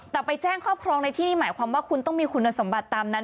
แต่ไปแจ้งครอบครองในที่นี่หมายความว่าคุณต้องมีคุณสมบัติตามนั้น